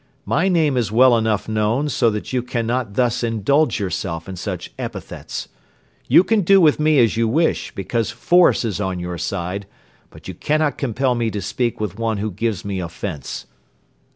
My name is well enough known so that you cannot thus indulge yourself in such epithets. You can do with me as you wish, because force is on your side, but you cannot compel me to speak with one who gives me offence."